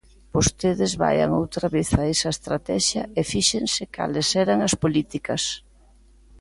Vostedes vaian outra vez a esa Estratexia e fíxense cales eran as políticas.